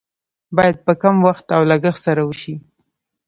باید په کم وخت او لګښت سره وشي.